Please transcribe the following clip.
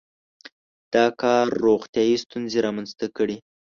• دا کار روغتیايي ستونزې رامنځته کړې.